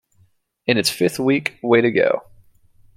In its fifth week Way to go!